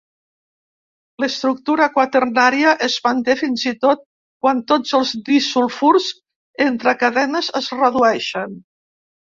L'estructura quaternària es manté fins i tot quan tots els disulfurs entre cadenes es redueixen.